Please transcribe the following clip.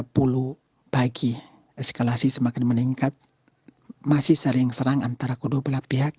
enam tiga puluh pagi eskalasi semakin meningkat masih sering serang antara kedua belah pihak